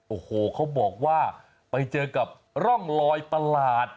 โอ้โหเขาบอกว่าไปเจอกับร่องลอยประหลาด